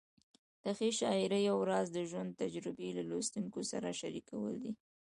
د ښې شاعرۍ یو راز د ژوند تجربې له لوستونکي سره شریکول دي.